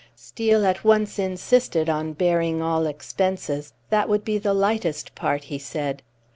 Steel at once insisted on bearing all expenses; that would be the lightest part, he said.